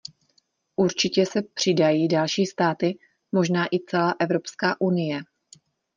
Určitě se přidají další státy, možná i celá Evropská unie.